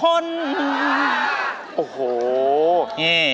โอ้โฮ